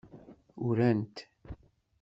Uran-t.